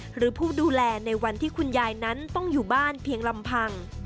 หรือผู้ดูแลในวันที่คุณยายนั้นต้องอยู่บ้านเพียงลำพัง